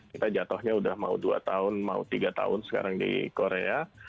kita jatuhnya udah mau dua tahun mau tiga tahun sekarang di korea